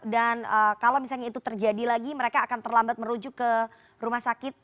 dan kalau misalnya itu terjadi lagi mereka akan terlambat merujuk ke rumah sakit